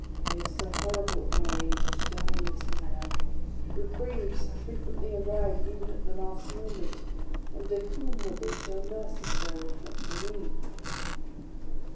It is so horrible at my age to die in this manner. Reprieves have frequently arrived even at the last moment! And to whom would they show mercy, Sir, if not to me